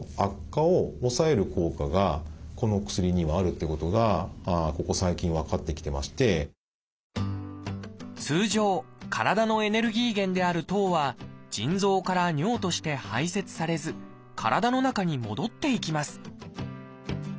実はもう一つこれ理由があって通常体のエネルギー源である糖は腎臓から尿として排せつされず体の中に戻っていきます